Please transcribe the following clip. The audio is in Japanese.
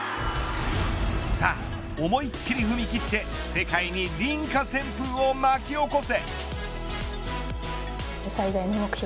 さあ、思いっ切り踏み切って世界に倫果旋風を巻き起こせ。